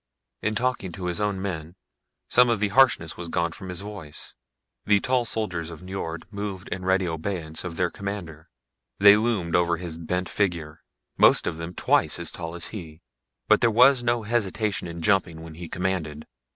In talking to his own men some of the harshness was gone from his voice. The tall soldiers of Nyjord moved in ready obeyance of their commander. They loomed over his bent figure, most of them twice as tall as he, but there was no hesitation in jumping when he commanded.